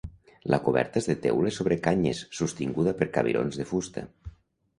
La coberta és de teules sobre canyes, sostinguda per cabirons de fusta.